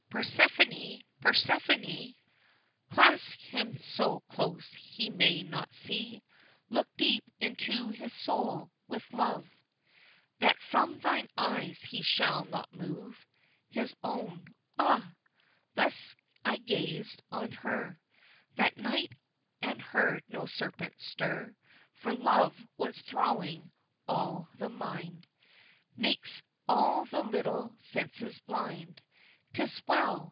Persephone! Persephone! Clasp him so close he may not see; Look deep into his soul with love That from thine eyes he shall not move His own; ah! thus I gazed on her That night and heard no serpent stir, For love, once thralling all the mind, Makes all the little senses blind; 'Tis well!